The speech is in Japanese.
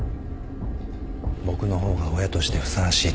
僕の方が親としてふさわしいって。